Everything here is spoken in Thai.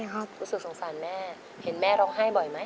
รู้สึกสงสารแม่เห็นแม่ร้องไห้บ่อยไหม